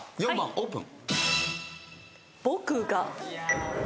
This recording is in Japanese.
オープン。